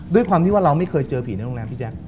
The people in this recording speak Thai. ด้วยความที่ว่าเราไม่เคยเจอผีในโรงแรมพี่แจ๊ค